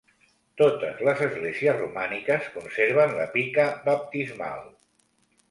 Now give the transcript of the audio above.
Totes les esglésies romàniques conserven la pica baptismal.